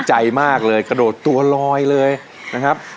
ใจมากเลยกระโดดตัวลอยเลยนะครับ